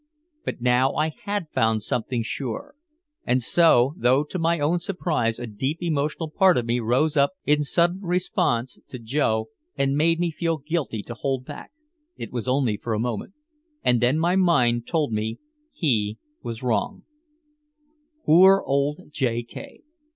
But now I had found something sure. And so, though to my own surprise a deep emotional part of me rose up in sudden response to Joe and made me feel guilty to hold back, it was only for a moment, and then my mind told me he was wrong. Poor old J.